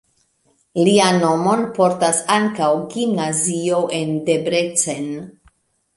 Lian nomon portas ankaŭ gimnazio en Debrecen.